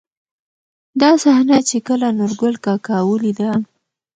دا صحنه، چې کله نورګل کاکا ولېده.